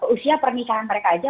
usia pernikahan mereka aja